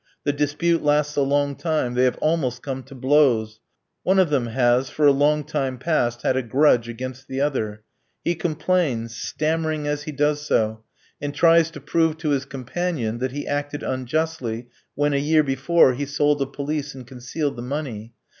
The dispute lasts a long time; they have almost come to blows. One of them has, for a long time past, had a grudge against the other. He complains, stammering as he does so, and tries to prove to his companion that he acted unjustly when, a year before, he sold a pelisse and concealed the money.